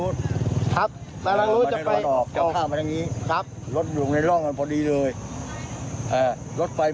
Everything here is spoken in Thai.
บอกว่าถอยหลังถอยไม่ถอยตกใจทำอะไรไม่ถูกยังไม่ได้ดีแล้ว